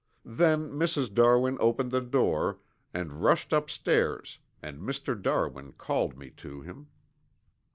Then Mrs. Darwin opened the door and rushed upstairs and Mr. Darwin called me to him.